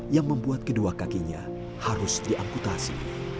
yang membuat kedua kakinya harus diamputasi